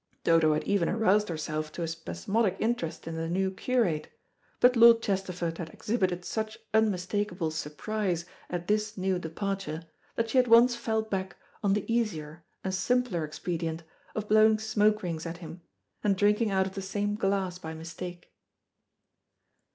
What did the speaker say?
Dodo had even aroused herself to a spasmodic interest in the new curate, but Lord Chesterford had exhibited such unmistakable surprise at this new departure, that she at once fell back on the easier and simpler expedient of blowing smoke rings at him, and drinking out of the same glass by mistake.